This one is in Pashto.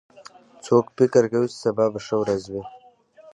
څوک فکر کوي چې سبا به ښه ورځ وي